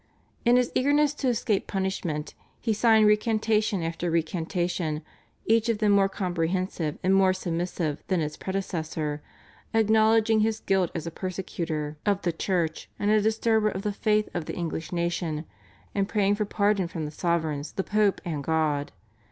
In his eagerness to escape punishment he signed recantation after recantation, each of them more comprehensive and more submissive than its predecessor, acknowledging his guilt as a persecutor of the Church and a disturber of the faith of the English nation, and praying for pardon from the sovereigns, the Pope, and God.